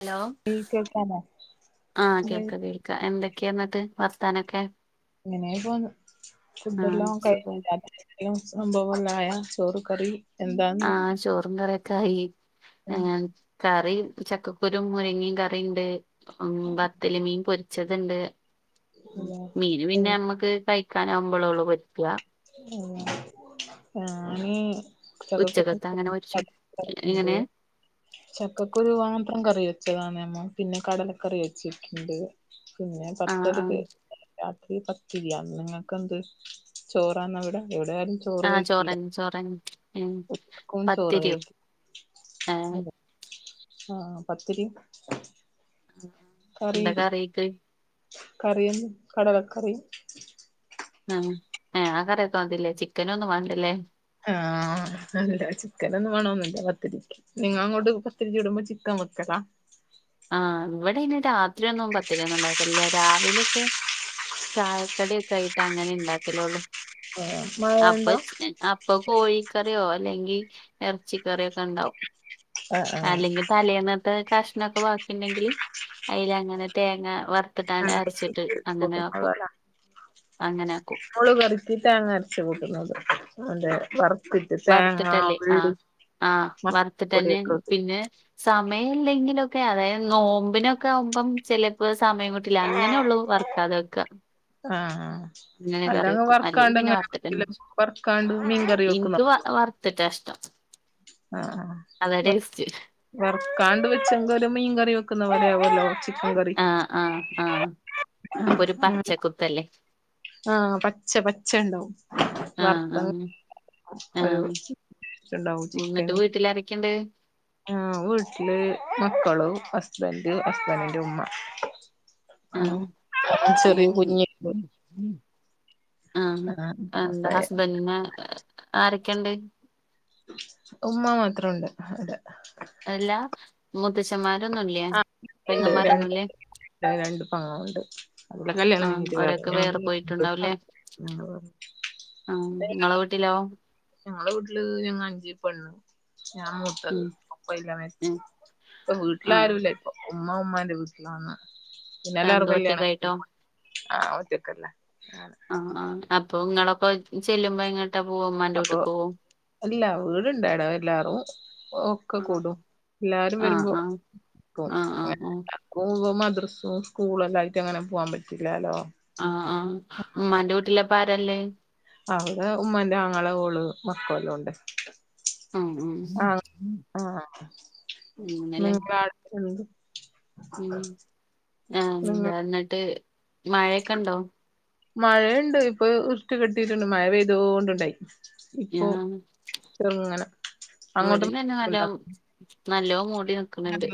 Hello കേൾക്കാമോ ആഹ് കേൾക്കാ കേൾക്കാ എന്തൊക്കെ ന്നിട്ട് വർത്താനൊക്കെ. ങ്ങനെപ്പോവുന്നു ആഹ് ഫുഡെല്ലാം കഴിഞ്ഞ് സുഖം ര ലാ സംഭവെല്ലായാ ചോറ്, കറി. എന്താന്ന് ആഹ് ചോറും കറിയൊക്കെ ആയി ഏഹ്. കറി ചക്കക്കുരു മുരിങ്ങീ കറിണ്ട് ഉം ബത്തല് മീൻ പൊരി ച്ചത്ണ്ട് മീന് പിന്നെ മ്മക്ക് കഴിക്കനാവുമ്പളൊള്ളൂ പൊരിക്കാ. അങ്ങനെ ഞാന്. ഉച്ചക്കത്തെ അങ്ങനെ പൊരിച്ചും എങ്ങനെ ചക്കക്കുരു. [inaudible] ചക്കക്കരു മാത്രം കറി വെച്ചതാണെമോ പിന്നെ കടല കറി വച്ചിട്ട്ണ്ട്. പിന്നെ ആഹ് പത്തല് ആഹ് രാത്രി പത്തിരിയാ നിങ്ങക്ക് എന്ത്. ചോറാന്നവിടെ എവിടൊയാരും ആഹ് ചോറനെ ചോറനെ ഉം ഉച്ചക്കും ചോറ് പത്തിരിയോ കഴിക്കും ഏഹ് ഹാ പത്തിരീം എന്താ കറീം കറിക്ക് കറിയെന്ന് കടലക്കറീം ആഹ് ഏഹ് ആ കറിയൊക്കെ മതില്ലേ ചിക്കനൊന്നും വാണ്ടല്ലേ എഹ്, ആഹ് ല്ല ചിക്കനൊന്നും വേണന്നില്ല പത്തിരിക്ക് നിങ്ങ അങ്ങോട്ട് പത്തിരി ചുടുമ്പോ ചിക്കവെക്കലാ ആഹ് ഇവിടെ അയ്ന് രാത്രി ഒന്നും പത്തിരിയൊന്നും ഉണ്ടാക്കലില്ലാ രാവിലെക്കെ ചായക്കടിയൊക്കെ ആയിട്ട് അങ്ങനെ ണ്ടാക്കലൊള്ളു ആഹ് അപ്പ മഴയുണ്ടോ അപ്പൊ കോഴിക്കറിയോ അല്ലെങ്കി എറച്ചിക്കറിയൊക്കെ ണ്ടാവും ആഹ് ആഹ് അല്ലെങ്കി തലേന്നത്തെ കഷ്ണൊക്കെ വാക്കിണ്ടെങ്കില് അയിലങ്ങനെ തേങ്ങ വർ ത്ത്ട്ടാണ്ട് അരച്ച്ട്ട് അങ്ങനെ ആക്കും അങ്ങനെ ആക്കും ഓള് വെർതീ തേങ്ങ അരച്ച് കൂട്ടുന്നത് അതെ വറ വറുത്തിട്ടല്ലേ ആഹ് ആഹ് വറുത്തിട്ടന്നെ മസാലപ്പൊടിയൊക്കെ ഇട്ട് പിന്നെ സമയം ല്ലെങ്കിലൊക്കെ അതായത് നോമ്പിനൊക്കെ ആവുമ്പം ചെലപ്പം സമയം കിട്ടു ട്ടിലങ്ങനെ ഒള്ളൂ വർക്കാതെക്കാ വെക്കാ ആഹ് അല്ലങ്കെ വെക്കും അല്ലെങ്കിൽ പിന്നെ വർക്കാണ്ട്ങ്ങന വറുത്തിട്ടന്നെ വർക്കാണ്ട് മീൻകറി വെക്കു തേഷ്ട്ടം ആഹ് ആഹ് വെർ വർക്കാണ്ട് വെച്ചെങ്കലും മീൻ കറി വെക്കുന്നപോലെ ആവൊല്ലോ ചിക്കകറി അഹ് അപ്പൊരു പച്ചക്കുത്തല്ലേ ആഹ് പച്ച പച്ച ണ്ടാവും ആഹ് വർത്ത ആഹ് ഒരു ണ്ടാവും ന്നിട്ട് വീട്ടിലാരൊക്കെണ്ട് ആഹ് വീട്ടില് മക്കളും ഹസ്ബന്റ് ഹസ്ബന്റിന്റെഉമ്മ [inaudible] ആഹ് ചെറിയ ഉം കുഞ്ഞ് ആഹ് എന്താ ഹസ്ബൻറിന് ആരൊക്കെണ്ട് ഉമ്മ മാത്ര ഒണ്ട് അവടെ അല്ലാ മുത്തച്ഛന്മാരൊന്നുല്ലെ ആഹ് ഉണ്ട് രണ്ട് പെങ്ങമ്മാരൊന്നുല്ലേ രണ്ട് പെങ്ങള്ണ്ട് അവരെ കല്യാണം ആഹ് കഴിഞ്ഞിട്ട് വേറെ ഓരൊക്കെ പോയിട്ടുണ്ടാവുംല്ലേ [unintelligible] [unintelligible] ആഹ് ഇങ്ങളെ വീട്ടിലോ ഞങ്ങളെ വീട്ടില് ഞങ്ങ അഞ്ച് പെണ്ണ് ഞാൻ മൂത്ത ഉം ഉം [unintelligible] ആഹ് ഇപ്പ ഉമ്മ ഉമ്മാന്റെ വീട്ടിലാന്ന് പിന്നെല്ലാരും താനെന്താ കല്യാണം കഴി ഒറ്റക്കായിട്ടോ ആഹ് ഒറ്റക്കല്ലെ ആഹ് ആഹ് ആഹ് അപ്പൊ ഇങ്ങളൊക്കെ ചെല്ലുമ്പോ എങ്ങോട്ടാ പോവാ ഉമ്മാന്റെ അപ്പൊ വീട്ടികോവോ അല്ല വീടുണ്ടവടെ എല്ലാരും ഓഹ് ഒക്കെ ആഹ് കൂടും എല്ലാരും ആഹ് വരുമ്പോ ആഹ് ആഹ് ആഹ് ആഹ് കോ മദ്രസും സ്കൂള എല്ലാം ആയിട്ട് അങ്ങനെ പോകാൻ പറ്റില്ലാലോ ആഹ് ആഹ് ഉമ്മാന്റെ വീട്ടില് പ്പാരാള്ളേ അവടെ ഉമ്മന്റെ ആങ്ങള ഓള് മക്കെല്ലാം ഉണ്ട് ഉം ഉം ആഹ് ആഹ് അങ്ങനെല്ലേ [unintelligible] [inaudible] ഉം ആഹ് നിങ്ങ എന്താ എന്നിട്ട് മയൊക്കെ ഉണ്ടോ മഴയുണ്ട് ഇപ്പൊ ഇരുട്ട് കെട്ടീട്ടുണ്ട് മഴ പെയ്തോണ്ടുണ്ടായി ഇപ്പൊ ഞാൻ ചേർങ്ങനെ അങ്ങോട്ടും ണ്ട നല്ലോം മൂടി നിക്ക്ണ്ണ്ട്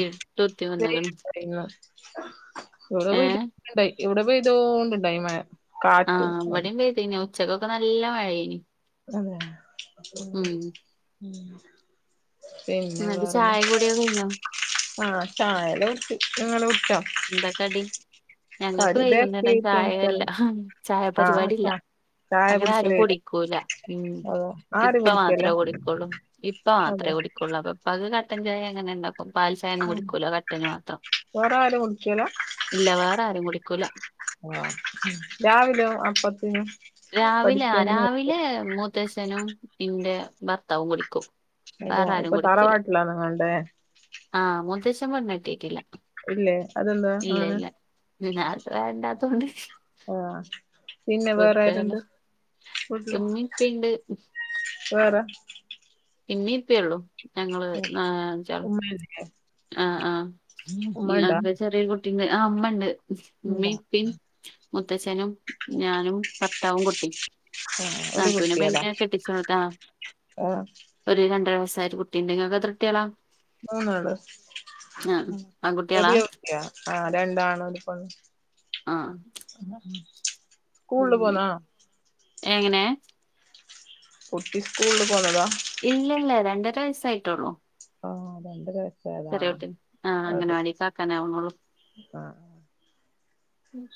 ഇരുട്ട് കുത്തി വന്ന്ക്ണ് പി ഇവിടെ ഇതണ്ടായി ഇവിടെ പേയ്തോണ്ട് ഇണ്ടായി മഴ ആ കാറ്റും ഇവിടീം പെയ്തിന്നു ഉച്ചക്കൊക്കെ നല്ല മഴയേനി അതെ പിന്നെ എന്നിട്ട് വേറെന്താ ചായ കുടിയൊക്കെ കഴിഞ്ഞോ ആഹ് ചായ എല്ലാം കുട്ച്ചി നിങ്ങള് കൂടിച്ചോ എന്താ കടി ഞങ്ങൾക്ക് ബേക്കറി വൈകുന്നേരം ഐറ്റംസ് ചായല്ല ചായ ആഹ് പരിപാടില്ല ചാ ചായ അങ്ങനെ ആരും കുടിക്കലേ ഇല്ല കുടിക്കൂല ഉം അതെ ആരും ഇപ്പ കുടിക്കല്ല മാത്രേ കുടിക്കുള്ളൂ ഇപ്പ അതെ മാത്രേ കുടി ഉള്ള പ്പൊ പ്പാക്ക് കട്ടൻ ചായ അങ്ങനെണ്ടാക്കും പാൽ ചായ ഒന്നും കുടിക്കൂലാ കട്ടന് മാത്രം വേറെ വേറെ കുടിക്കലാ ഇല്ല വേറെ ആരും കുടിക്കൂല ആ രാവിലെ അപ്പത്തിന് രാവിലെ അ കടിക്കന്നെ രാവിലെ മൂത്തച്ചനും ഇന്റെ ഭർത്താവും കുടിക്കും അതേ വേറെ ആരും ഇപ്പൊ തറവാട്ടിലാ നിങ്ങൾ ടെ ആഹ് മൂത്തച്ചൻ പെണ്ണ് കെട്ടിട്ടില്ല ഇല്ലേ അതെന്താ അങ്ങനെ [unintelligible] അത്ര വേണ്ടാത്തോണ്ട് ആഹ് പിന്നെ വേറെ വെറുതെയാണ് ആരുണ്ട് വിട്ട്ല് ഉമ്മി ഇപ്പിണ്ട് വേറെ ഇമ്മിം ഇപ്പിം ഉള്ളൂ ഞങ്ങള് ഉം നാ അഞ്ചാള് [unintelligible] ആഹ് ആഹ് ഇഅ ഉമ്മണ്ടാ ഇൻക്ക് ചെറിയെ കുട്ടിണ്ട് ആ ഉമ്മ ഉണ്ട് ഉമ്മി എന്താ പ്പി മുത്തച്ഛനും ഞാനും ഭർത്താവും കുട്ടിം ആ ഒരു നാത്തൂനെ കുട്ടിയല്ലേ പിന്നെ കെട്ടിച്ചോട്താ ആ ഒരു രണ്ടര വസ്സായ കുട്ടിണ്ട് ഇങ്ങക്ക് എത്ര കുട്ടികളാ മൂന്നാള് ആ ആൺകുട്ടികളാ ചെറിയ കുട്ടിയാ ആ രണ്ടാണ് ഒരു പെണ്ണ് ആ സ്കൂളില് പോന്നാ എങ്ങനെ കുട്ടി സ്കൂളിൽ പോണതാ ഇല്ല ഇല്ല രണ്ടര വയസ്സായിട്ടുള്ളൂ ആഹ് രണ്ടര വയസ്സായതാ ചെറിയ കുട്ടി ആ അതെ അംഗനവാടി കാക്കാൻ ആവണ് ഉള്ളൂ ആ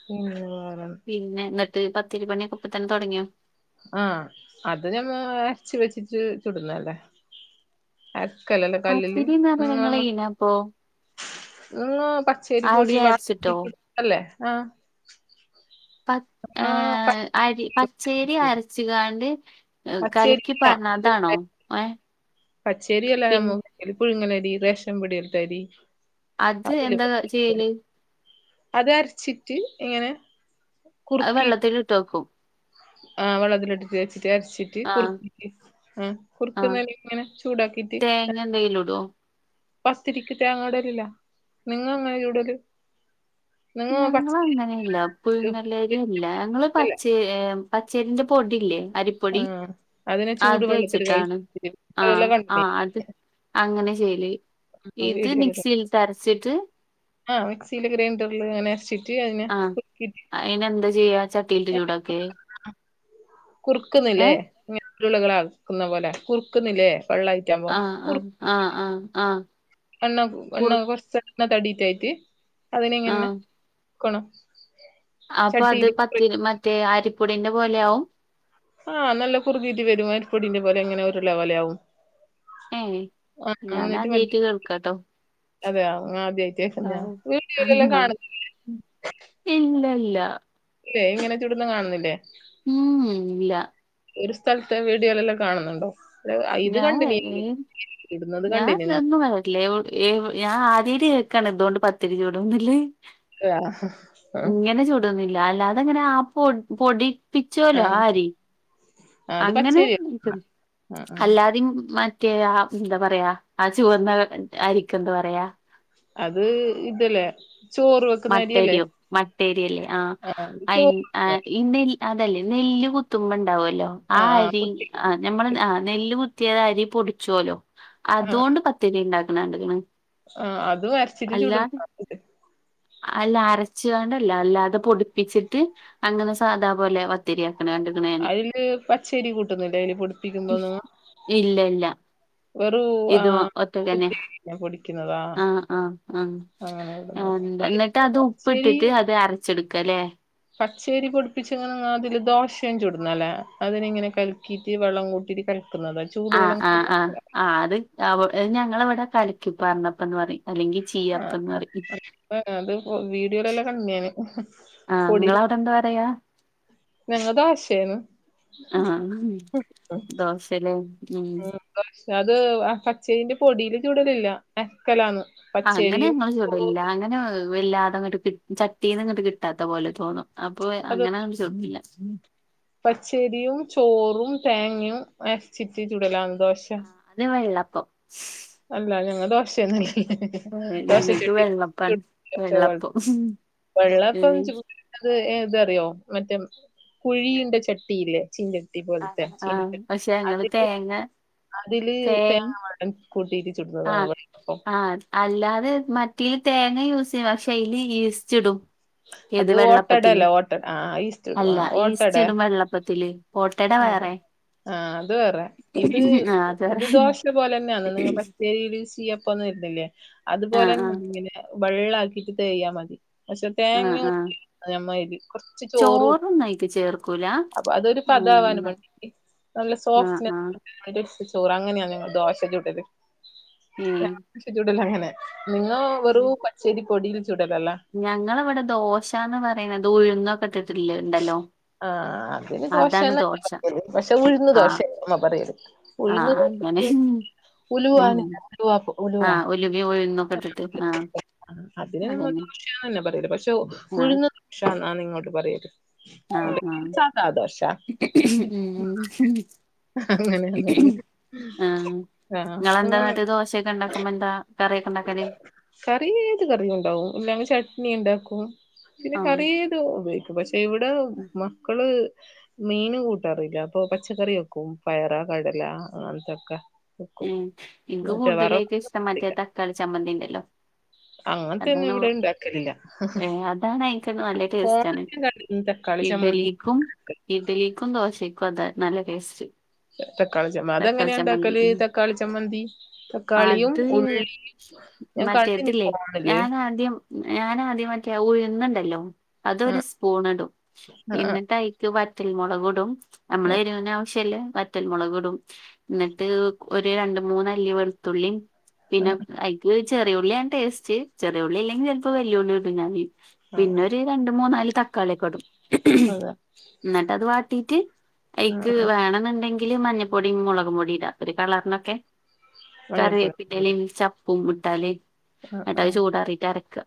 പിന്നെ വേറെ പിന്നെ ന്നെട്ട് പത്തിരി പണിയൊക്കെ ഇപ്പതന്നെ തൊട്ങ്ങിയോ ആ അത് ഞമ്മ അരച്ച് വെച്ചിട്ട് ചുടുന്നല്ലേ അരക്കലല്ലേ കല്ലില് പത്തിരിന്ന് പറയണ നിങ്ങള് നിങ്ങളന്ന് ഇനപ്പോ [unintelligible] പച്ചരി പൊടി അരി വാ അരച്ചിട്ടോ [inaudible] ല്ലേ ആ പ [unintelligible] ഏഹ് അരി പച്ചേരി പച്ചരി അരച്ചുകാണ്ട് കലക്കി പാർന്നു അതാണോ ഏഹ പച്ചേരില്ലാ നമ്മ [inaudible] പുഴുങ്ങന അരി റേഷൻ പിടിയിൽത്തരി അത് എന്താ ചെയ്യല് അത് അരച്ചിട്ട് ഇങ്ങനെ അത് കുറുക്കി വെള്ളത്തില് ഇട്ട് വക്കും ആ വെള്ളത്തിലിട്ടിട്ട് വച്ചിട്ട് അരച്ചിട്ട് ആഹ് കുറുക്ക്‌ ആ കുറുക്കുമാതിരി ഇങ്ങനെ ചൂടാക്കിട്ട് പിന്നെ എന്തെങ്കിലിടുവോ പത്തിരിക്ക് തേങ്ങ ഇടലില്ല നിങ്ങളെങ്ങനാ ചുടല് ഞങ്ങള അങ്ങനെയല്ല പുഴുങ്ങലരി അല്ല ഞങ്ങള് അല്ലേ പച്ചേ പച്ച അരിന്റെ പൊടില്ലേ അരി ആ പൊടി അതിനെ ചൂട് അത് വെള്ളത്തിൽ വെച്ചിട്ടാണ് കളില്ലാം ആഹ് ആ കണ്ടിനെ അത് അങ്ങനെ ചെയല് ഇത് മിക്സിയിലിട്ട് അരച്ചിട്ട് ആഹ് മിക്സിയില് ഗ്രൈൻഡറില് ഇങ്ങനെ അരച്ചി ആഹ്. അയിനെന്താ ചെയ്യാ ചട്ടിലിട്ട് ചൂടാക്കെ? കുറുക്കുന്നില്ലേ ഇങ്ങനെ ഉരുളകളാക്കുന്ന പോലെ കുറുക്കുന്നില്ലേ വെള്ളായി ആഹ് അഹ് ആഹ് അഹ് ആഹ് എണ്ണ കുറു എണ്ണ കൊറച്ച് എണ്ണ തടി തേച്ച് അതിനെ ഇങ്ങനെ ആഹ് കൊണൊ അപ്പൊ അത് പത്തിരി മറ്റേ അരിപ്പൊടിന്റെ പോലെയാവും. ആഹ് നല്ല കുറുകീട്ട് വരും അരിപ്പൊടിന്റെ പോലെ ഇങ്ങനെ ഉരുള പോലെയാവും. ഏഹ്. ആഹ് എന്നിട്ട് ഞാനാദ്യായിട്ട് മറ്റേ കേൾക്കാട്ടോ അതെയോ ആദ്യായിട്ട് കേക്കുന്നയോ ആഹ് [unintelligible] കാണു [unintelligible] ഇല്ല ല്ല ഇല്ലെ ഇങ്ങനെ ചുടുന്ന കാണുന്നില്ലേ ഉം ഉ ഇല്ല ഒരു സ്ഥലത്തെ വീഡിയോലെല്ലാം കാണുന്നുണ്ടോ? ല്ലാ ഇത് ഞാൻ കണ്ടിനില്ലെ ഇടുന്നത് കണ്ടിന്നിക്നൊ ല്ലേ ഓഏയ് ഞാൻ ആദ്യായ്ട്ട് കേക്കാണ് ഇതോണ്ട് പത്തിരി ചൂടുന്നും ഇല്ലെ [unintelligible] അഹ്ഹാ. ടുംന്നില്ലെ. അല്ലാതെങ്ങനാ ആ പൊടി പൊടിപ്പിച്ചോലോ ആ ആഹ് അരി അത് അങ്ങനെ പച്ചരിയാ [unintelligible] ആഹ് ആഹ് അല്ലാതിം മ റ്റേ ആ എന്താ പറയാ ആ ചുവന്ന അരിക്കന്താ പറയാ അത് ഇതല്ലേ ചോറ് വെ മട്ടരിയോ മട്ടരിയല്ലേ ആഹ് ആ അയിൻ ചോറ് ആഹ് ഈ നെൽ അതല്ലേ നെല്ല് കുത്തുമ്പോ ഉണ്ടാവല്ലോ ആ അരി അഹ് ഞമ്മള് ആഹ് നെല്ല് കുത്തിയത് അരി പൊടിച്ചോല്ലോ ആ അതോണ്ട് പത്തിരി ഉണ്ടാക്കണ കണ്ടിക്കിണ്. ആഹ് അതും അരച്ചിട്ട് ചുടും [unintelligible] അല്ല അരച്ച്കാണ്ടല്ല അല്ലാതെ പൊടിപ്പിച്ചിട്ട് അങ്ങനെ സാധാ പോലെ പത്തരിയാക്ണ കണ്ട് അയില് പച്ചരി കൂട്ടുന്നില്ലേ അതില് പൊടിപ്പിക്കുമ്പോന്നും ഇല്ല ഇല്ല ആ ഇത് ഒറ്റക്കന്നെ. കുത്തിരിന്നെ പൊടിക്കുന്നതാ ആഹ് ആഹ് ആഹ് അങ്ങനെ ഇടുന്നത് [unintelligible] അതില് എന്നിട്ട് അത് ഉപ്പിട്ടിട്ട് അത് അരച്ചെടുക്ക ല്ലേ പച്ചേരി പൊടിപ്പിച്ച് ഇങ്ങനെ ആതില് ദോശയും ചൂടുന്നോല്ലേ അതില് ഇങ്ങനെ കലക്കി ഇത്തിരി വെള്ളം കൂട്ടിട്ട് കൽക്കുന്നത ആഹ് ആഹ് ആഹ്. ആഹ് അത് [unintelligible] ഞങ്ങളവടെ കലക്കിപ്പാർന്നപ്പം ന്ന് പറയും അല്ലങ്കി ചീയപ്പംന്ന് പറിം ആഹ് അത് വീഡിയോലെല്ലാം കണ്ടിണ് ഞാന് ആഹ് ഇങ്ങളവ്ടെ എന്താ പറയാ? ഞങ്ങള് ദോശേന്ന് ആഹ് ദോശല്ലേ ഉം ദോശ്ശ അത് ആ പച്ചയിന്റെ പൊടിയില് ചുടലില്ല എക്കലാന്ന് അങ്ങനെ ഞങ്ങളും ചുടല് ല്ല അങ്ങനെ വല്ലാതെ അങ്ങട്ട് കി ചട്ടീന്ന്ങ്ങട്ട് കിട്ടാത്ത പോലെ തോന്നും അപ്പൊ അത് അങ്ങനെ ചുടലില്ല പച്ചരിയും ചോറും തേങ്ങയും അര്ച്ചിട്ട് ചുടലാന്ന് ദോശ ന് വെള്ളപ്പം അല്ലാ ഞങ്ങൾ ദോശെയന്ന [unintelligible] ദോശ ഞങ്ങൾക്ക് ചട്ടി വെള്ളപ്പാണ് [unintelligible] വെള്ളപ്പം വെള്ളയപ്പം ഏഹ് ചു ട്ണത് ഏത് അറിയോ മറ്റേ കുഴീന്റെ ചട്ടിയില്ലേ ചീഞ്ചട്ടി പോൽത്തെ ആഹ് ചീനച്ചട്ടി പക്ഷെ ഞങ്ങള് അതില് തേങ്ങ അതില് തേങ്ങ [unintelligible] കൂട്ടീട്ട് ചുട്വ ആഹ് ആഹ് അല്ലാതെ മറ്റീൽ തേങ്ങ യൂസ് ചെയ്യും പക്ഷെ അയില് യീസ്റ്റിടും അത് ഇത് വെള്ളപ്പത്തില് ഓട്ടടല്ലേ ഓട്ടട ആ ഈസ്റ്റ് ഇടും അല്ല ആ ഓട്ടട ഈസ്റ്റ് ഇടും വെള്ളപ്പത്തിലെ. ഇത് അത് വേറെ. ആഹ് അത് വേറെ ഇത് ആഹ് അത് വേറെ ഇത് ദോശ പോലെ തന്നെയാണ്, ഞങ്ങളെ പച്ചേരിയിൽ യൂസ് ചെയ്യും. ഉപ്പ് ഒന്നും ഇട്ടില്ലേ അതുപോലെ ആഹ് തന്നെ ആഹ് ഇങ്ങനെ വെള്ളാക്കിട്ട് തേയാൽ മതി. പക്ഷെ ആഹ് തേങ്ങയും ആഹ് ഉപ്പും നമ്മള് അതിൽ കൊറച്ച് ചോറ് ചോറൊന്നും അയിക്ക് ചേർക്കൂല അപ്പൊ അതിന്. പതാവാനും ഉം വേണ്ടി നല്ല ആഹ് സോഫ്റ്റ്നസ്. ആഹ് എന്നിട്ട് ചോറ് അങ്ങനെയാണ് ഞങ്ങൾ ദോശ ചുട്ടത്, എന്നും ഏഹ് ദോശ ചുടല് അങ്ങനെ. നിങ്ങള് വെറും പച്ചേരി പൊടിയിൽ ചുടലല്ലേ. ഞങ്ങളിവിടെ ദോശന്ന് പറയണത്, ഉഴുന്നൊക്കെ ഇട്ടിട്ടില്ലേ ഇണ്ടല്ലോ. ആഹ് അതിന് അതാണ് ദോശന്ന് ദോശ അല്ലെ പറയല്, പക്ഷെ ഉഴന്ന് ആഹ് ദോശന്ന് ഉമ്മ പറയല്. ആഹ് അങ്ങനെ ഉം ഉലുവാണ് കിടു അപ്പം. ആഹ് ഉലുവയും ഉഴുന്നും. ഞാൻ വന്നിട്ട് ഉണ്ടാകാം അതിന് നമുക്ക് അതന്നെ ദോശന്ന് തന്നെ പറയല് പക്ഷേ ആഹ് ഉഴുന്ന്. ദോശന്ന് ഇങ്ങോട്ട് പറയല്. ആഹ് ആഹ് മറ്റേ സാദാ ദോശ ഉം ഉം അങ്ങനെയാന്ന് ഉം പറയല് ആഹ് നിങ്ങള് എന്താ എന്നിട്ട് ദോശയൊക്കെ ഉണ്ടാക്കുമ്പോ എന്താ. കറിയൊക്കെ ഉണ്ടാക്കാല്. കറി ഏത് കറിയും ഉണ്ടാവും, ഇല്ലെങ്കിൽ ചട്നി ഉണ്ടാക്കും പിന്നെ ആഹ് കറി ഏതും ഉപയോഗിക്കും. പക്ഷെ ഇവിടെ മക്കള്. മീനും കൂട്ടാറില്ല അപ്പൊ പച്ചക്കറി വെക്കും പയറ് കടല അങ്ങനത്തൊക്കെ. വെക്കും ഉം എനിക്ക് മറ്റേ വറവ് കൂടുതലായിട്ടും ഇഷ്ടം മറ്റേ തക്കാളി ചമ്മന്തി ഉണ്ടല്ലോ. അങ്ങനത്തെയൊന്നും അതാണ് ഇവിടെ ഇണ്ടാക്കലില്ല ഏഹ് അതാണ് ഐറ്റം നല്ല ടേസ്റ്റ് ആണ് ഓണത്തിന് കണ്ടിരുന്നു തക്കാളി ഇഡ്ഡലി. ചമ്മന്തി ക്കും ഇഡലിക്കും ദോശക്കും അതാ നല്ല ടേസ്റ്റ്. തക്കാളി ചമ്മ അതെ തക്കാളി എങ്ങനെയാ ഉണ്ടാക്കല്, ചമ്മന്തി തക്കാളി ചമ്മന്തി തക്കാളിയും ഉള്ളിയും. മറ്റേത്തില്ലേ ഞാൻ ആദ്യം. ഞാൻ ആദ്യം മറ്റേ ഉഴുന്നുയുണ്ടല്ലോ, ആ അതൊരു സ്പൂൺ ഇടും ആ ആ എന്നിട്ട് അതിൽ. എന്നിട്ട് വറ്റൽ മുളക് ഇടും, നമ്മള് ആ എരുവിന് ആവശ്യയുള്ള വറ്റൽ മുളക് ഇടും. എന്നിട്ട് ഒരു രണ്ട് മൂന്ന് അല്ലി വെളുത്തുള്ളി പിന്നെ അത്. ഉപ്പ് ചെറിയുള്ളിയാണ് ടേസ്റ്റ്, ചെറിയുള്ളി ഇല്ലെങ്കിൽ ചിലപ്പോ വലിയ ഉള്ളി ഇടും ഞാൻ ആ ആ പിന്നൊരു. രണ്ട് മൂന്ന് നാല് തക്കാളിയൊക്കെ ഇടും. അതെ എന്നിട്ട് അത് വാട്ടീട്ട് അയിക്ക് ആ വേണമെന്നുണ്ടെങ്കിൽ മഞ്ഞപ്പൊ പൊടിയും മുളക് പൊടിയുടെ ഒരു കളറിനൊക്കെ മഞ്ഞപ്പൊടി കറിവേപ്പില ചപ്പും ഇട്ടാല്. എന്നട്ട് ചൂടാറിയിട്ട് അരയ്ക്കുക.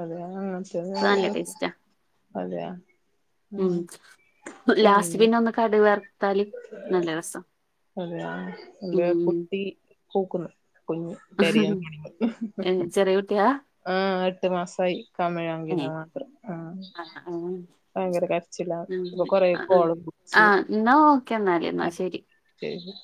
അതെയാ ആഹ് ശരിയാണ് കേട്ടോ ടേസ്റ്റാ അതെയാ. ഉം ലാസ്റ്റ് പിന്നെ ഒന്ന് കടുക് വറുത്ത്. അതെയാ എന്റെ ഉം കുട്ടി പോകുന്നു. കുഞ്ഞ് കരയാന്ന് വിളി വന്ന്, ഏ, ചെറിയ കുട്ടിയാ ആഹ് എട്ടു മാസമായി. കമിഴാന്ന് എങ്കിൽ ഏ മാത്രം ആഹ്. ആ ആ ഉം ഭയങ്കര കരച്ചിലാ ഇപ്പൊ കൊറെ ആ ആ കോളും ആ, വിളിച്ചു. എന്നാ ഓക്കേ എന്നാല് എന്നാ ശരി. ശരി